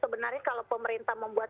sebenarnya kalau pemerintah membuat